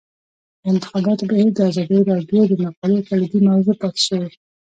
د انتخاباتو بهیر د ازادي راډیو د مقالو کلیدي موضوع پاتې شوی.